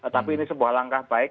tapi ini sebuah langkah baik